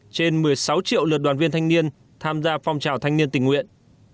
trên một mươi sáu triệu lượt đoàn viên thanh niên tham gia phong trào thanh niên tình nguyện